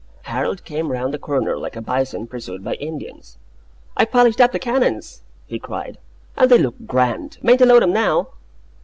Harold came round the corner like a bison pursued by Indians. "I've polished up the cannons," he cried, "and they look grand! Mayn't I load 'em now?"